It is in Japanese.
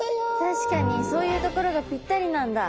確かにそういう所がぴったりなんだ。